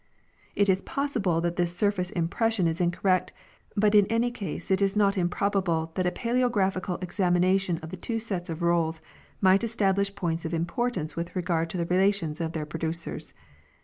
It is possible that this surface impression is incorrect, but in any case it is not improbable that a palaeographical examination of the two sets of rolls might establish points of importance with regard to the relations of their producers.